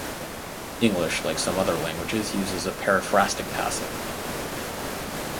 English, like some other languages, uses a periphrastic passive.